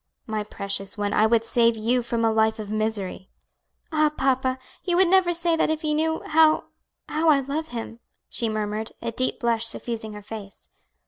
"My precious one, I would save you from a life of misery." "Ah, papa! you would never say that if you knew how how I love him," she murmured, a deep blush suffusing her face.